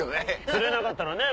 釣れなかったらね。